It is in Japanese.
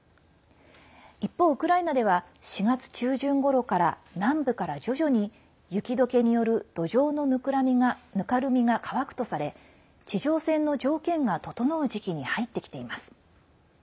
一方、ウクライナでは４月中旬ごろから南部から徐々に、雪どけによる土壌のぬかるみが乾くとされ地上戦の条件が整う時期に入ってきています。